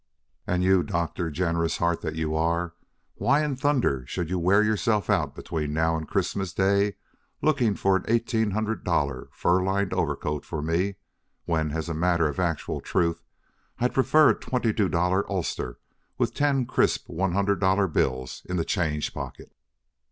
And you, Doctor generous heart, that you are why in thunder should you wear yourself out between now and Christmas day looking for an eighteen hundred dollar fur lined overcoat for me, when, as a matter of actual truth, I'd prefer a twenty two dollar ulster with ten crisp one hundred dollar bills in the change pocket?"